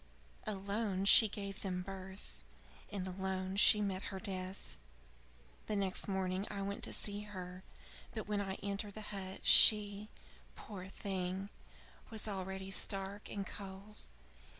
Alone she gave them birth, and alone she met her death." "The next morning I went to see her, but when I entered the hut, she, poor thing, was already stark and cold.